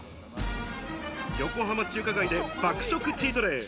横浜中華街で爆食チートデイ！